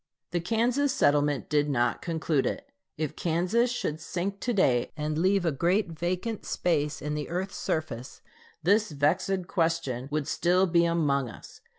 The Kansas settlement did not conclude it. If Kansas should sink to day, and leave a great vacant space in the earth's surface, this vexed question would still be among us.